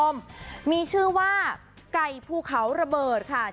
มีชื่อว่ากลายผู้เขาระเบิด